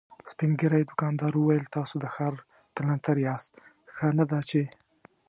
سپين ږيری دوکاندار وويل: تاسو د ښار کلانتر ياست، ښه نه ده چې…